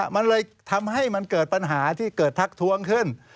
มันเลยทำให้มันเกิดปัญหาที่เกิดทักทวงขึ้น